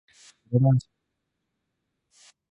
室蘭市人口情報